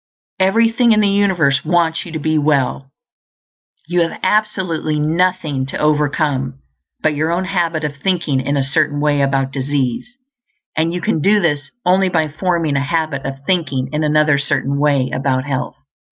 Everything in the universe wants you to be well; you have absolutely nothing to overcome but your own habit of thinking in a certain way about disease, and you can do this only by forming a habit of thinking in another Certain Way about health.